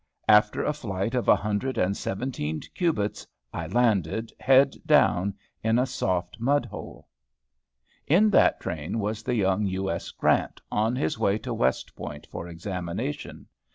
After a flight of a hundred and seventeen cubits, I landed, head down, in a soft mud hole. In that train was the young U. S. Grant, on his way to West Point for examination.